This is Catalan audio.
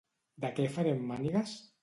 De què farem mànigues?